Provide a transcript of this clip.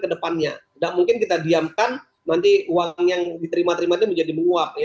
dan mungkin kita diamkan nanti uang yang diterima terimanya menjadi menguap